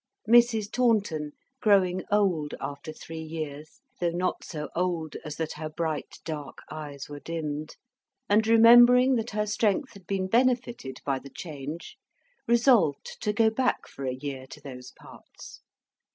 Mrs. Taunton, growing old after three years though not so old as that her bright, dark eyes were dimmed and remembering that her strength had been benefited by the change resolved to go back for a year to those parts.